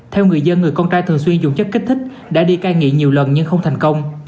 theo người dân người con trai thường xuyên dùng chất kích thích đã đi cai nghiện nhiều lần nhưng không thành công